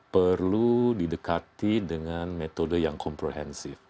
perlu didekati dengan metode yang komprehensif